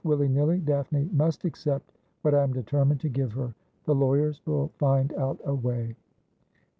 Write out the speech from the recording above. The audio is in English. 'Willy nilly, Daphne must accept what I am determined to give her. The lawyers will find out a way.'